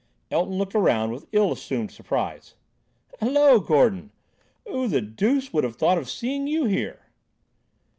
Elton looked round with ill assumed surprise. "Hallo, Gordon! Who the deuce would have thought of seeing you here?"